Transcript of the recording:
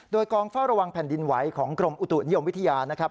โดยกองเฝ้าระวังแผ่นดินไหวของกรมอุตุนิยมวิทยานะครับ